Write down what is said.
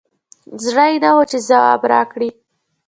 زړه یي نه وو چې ځواب راکړي